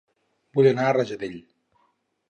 Vull anar a Rajadell